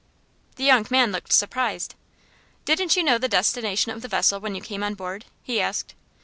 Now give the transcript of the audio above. The young man looked surprised. "Didn't you know the destination of the vessel when you came on board?" he asked.